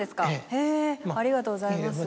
へぇありがとうございます。